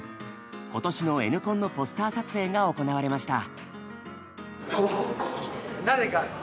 今年のＮコンのポスター撮影が行われました。